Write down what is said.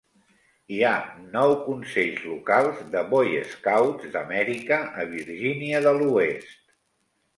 Hi ha nou consells locals de Boy Scouts d'Amèrica a Virgínia de l'Oest.